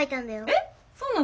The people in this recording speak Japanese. えっそうなの？